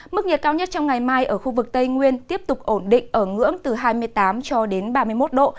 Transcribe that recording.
mức nhiệt cao nhất trong ngày mai ở khu vực tây nguyên tiếp tục ổn định ở ngưỡng từ hai mươi tám cho đến ba mươi một độ